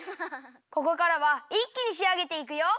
ここからはいっきにしあげていくよ！